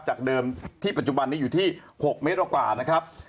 จากเดิมที่ปัจจุบันนี้อยู่ที่๖เมตรกว่านะครับ